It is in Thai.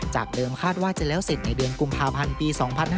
เดิมคาดว่าจะแล้วเสร็จในเดือนกุมภาพันธ์ปี๒๕๕๙